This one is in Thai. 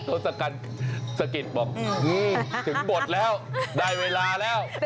เขาสกัดสะกิดบอกถึงบทแล้วได้เวลาแล้ว